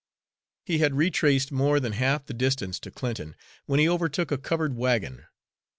He had retraced more than half the distance to Clinton when he overtook a covered wagon.